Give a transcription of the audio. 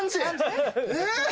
えっ。